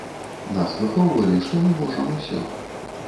Нас выхоўвалі, што мы можам усё.